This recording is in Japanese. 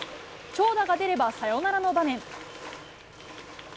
長打が出れば、サヨナラの場面。